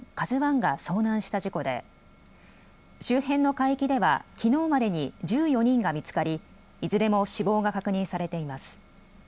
ＫＡＺＵＩが遭難した事故で周辺の海域ではきのうまでに１４人が見つかりいずれも死亡が確認されています。